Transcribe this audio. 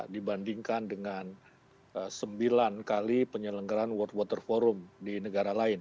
dibandingkan dengan sembilan kali penyelenggaran world water forum di negara lain